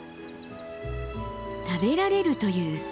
食べられるという砂。